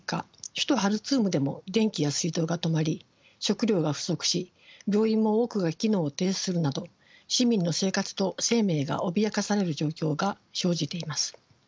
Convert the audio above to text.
首都ハルツームでも電気や水道が止まり食料が不足し病院も多くが機能を停止するなど市民の生活と生命が脅かされる状況が生じています。